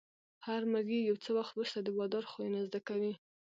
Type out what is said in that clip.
هر مریی یو څه وخت وروسته د بادار خویونه زده کوي.